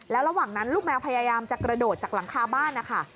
แล้วระหว่างนั้นลูกแมวพยายามจะกระโดดจากหลังคาบ้านนะคะ